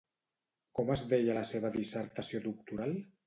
Com es deia la seva dissertació doctoral?